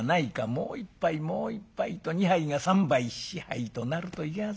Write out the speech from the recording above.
もう一杯もう一杯』と２杯が３杯４杯となるといけません。